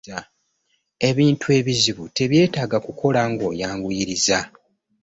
Ebintu ebizibu tebyetaaga kukola ng'oyanguyiriza .